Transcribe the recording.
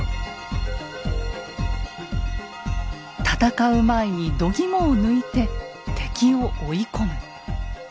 戦う前にどぎもを抜いて敵を追い込む。